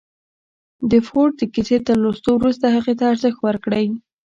د فورډ د کيسې تر لوستو وروسته هغې ته ارزښت ورکړئ.